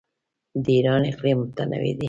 د ایران اقلیم متنوع دی.